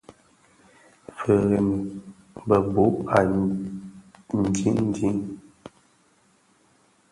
Firemi, bëbhog a jinjin.